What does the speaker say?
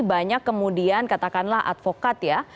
banyak kemudian katakanlah advokat ya